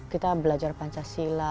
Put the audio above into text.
kita belajar pancasila